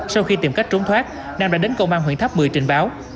sau khi tìm cách trốn thoát nam đã đến công an huyện tháp mười trình báo